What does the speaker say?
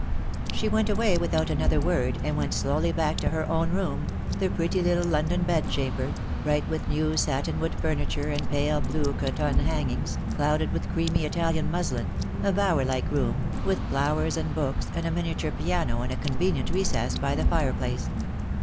She went away without another word, and went slowly back to her own room, the pretty little London bedchamber, bright with new satin wood furniture and pale blue cretonne hangings, clouded with creamy Indian muslin, a bower like room, with flowers and books^ and a miniature piano in a con venient recess by the fire place.